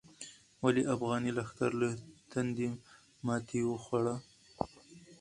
ولې افغاني لښکر له تندې ماتې خوړله؟